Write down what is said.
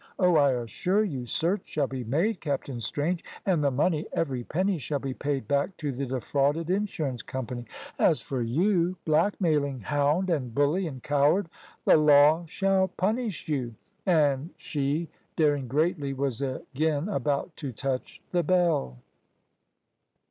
Oh, I assure you, search shall be made, Captain Strange, and the money every penny shall be paid back to the defrauded insurance company. As for you blackmailing hound and bully and coward, the law shall punish you"; and she, daring greatly, was again about to touch the bell.